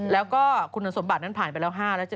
แล้วก็คุณสมบัตินั้นผ่านไปแล้ว๕๗